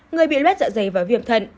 người bị loét dạ dày và việm thận